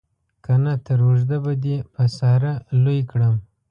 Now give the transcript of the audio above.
که نه تر اوږده به دې په ساره لوی کړم.